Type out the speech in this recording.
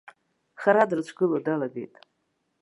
Хара дрыцәгыло далагеит.